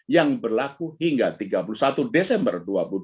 yang berlaku hingga tiga puluh satu desember dua ribu dua puluh